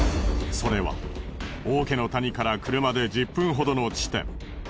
それは王家の谷から車で１０分ほどの地点。